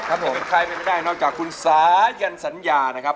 ครับผมเป็นใครเป็นไม่ได้นอกจากคุณสายันสัญญานะครับ